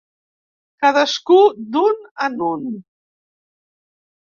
Cadascú, d’un en un.